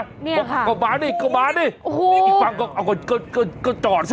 เนี่ยค่ะก็มานี่ก็มานี่อูหูอีกฟังก็ก็ก็จอดสิ